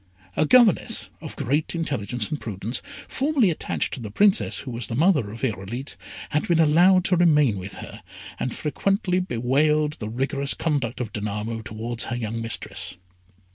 A governess of great intelligence and prudence, formerly attached to the Princess who was the mother of Irolite, had been allowed to remain with her, and frequently bewailed the rigorous conduct of Danamo towards her young mistress.